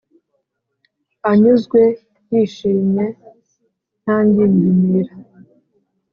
anyuzwe: yishimye, nta ngingimira,